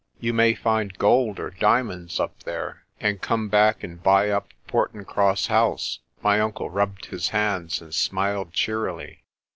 You may find gold or diamonds up there, and come back 28 PRESTER JOHN and buy up Portincross House." My uncle rubbed his hands and smiled cheerily.